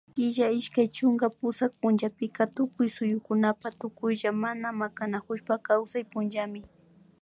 kulla ishkay chunka pusak punllapika tukuy suyukunapi tukuylla mana makanakushpa kawsay punllami